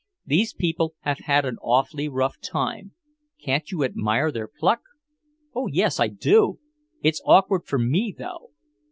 These people have had an awfully rough time; can't you admire their pluck?" "Oh, yes, I do! It's awkward for me, though."